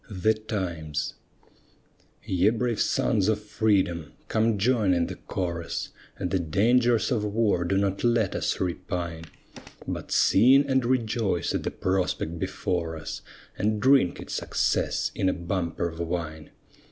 THE TIMES Ye brave sons of Freedom, come join in the chorus, At the dangers of war do not let us repine, But sing and rejoice at the prospect before us, And drink it success in a bumper of wine.